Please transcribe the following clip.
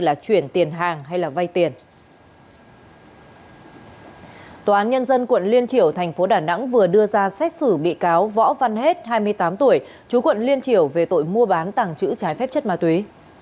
mua bán tàng trữ trái phép chất ma túy